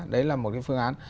đấy là một cái phương án